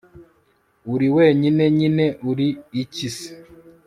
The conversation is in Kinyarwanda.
uri wenyine nyine, uri iki se